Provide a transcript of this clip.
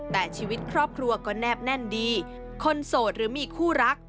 แต่ชีวิตครอบครัวก็แนบแน่นดีคนโสดหรือมีคู่รัก